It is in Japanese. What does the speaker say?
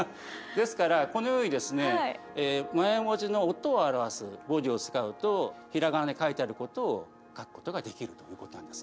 ですからこのようにですねマヤ文字の音を表す文字を使うとひらがなで書いてあることを書くことができるということなんですね。